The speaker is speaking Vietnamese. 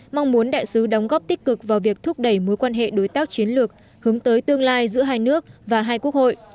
mong muốn đại sứ đóng góp tích cực vào việc thúc đẩy mối quan hệ đối tác chiến lược hướng tới tương lai giữa hai nước và hai quốc hội